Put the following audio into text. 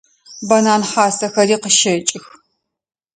Банан хьасэхэри къыщэкӏых.